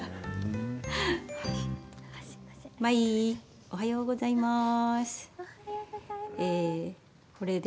舞、おはようございます。